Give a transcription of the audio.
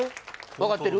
分かってる？